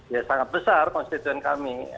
ya sangat besar konstituen kami